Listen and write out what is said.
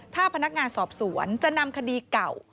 ถ้าพนักงานสอบสวนจะนำคดีเก่า